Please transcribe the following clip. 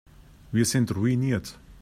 Wir sind ruiniert.